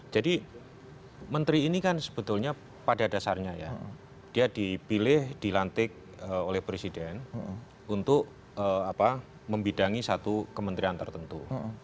jadi menteri ini kan sebetulnya pada dasarnya ya dia dipilih dilantik oleh presiden untuk membidangi satu kementerian tertentu